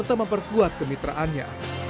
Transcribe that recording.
dan memperkuat kemitraannya